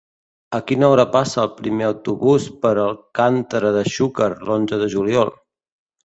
A quina hora passa el primer autobús per Alcàntera de Xúquer l'onze de juliol?